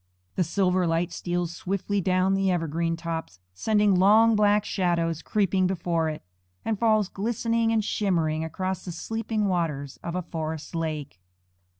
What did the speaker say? The silver light steals swiftly down the evergreen tops, sending long black shadows creeping before it, and falls glistening and shimmering across the sleeping waters of a forest lake.